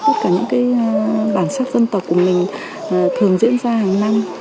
tất cả những bản sắc dân tộc của mình thường diễn ra hàng năm